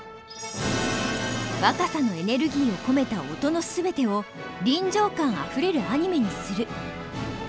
若さのエネルギーを込めた音のすべてを臨場感あふれるアニメにする。